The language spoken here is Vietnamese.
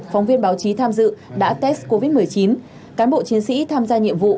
phóng viên báo chí tham dự đã test covid một mươi chín cán bộ chiến sĩ tham gia nhiệm vụ